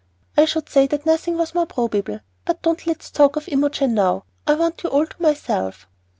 "I should say that nothing was more probable. But don't let's talk of Imogen now. I want you all to myself."